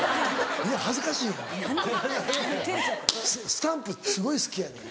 スタンプすごい好きやねん。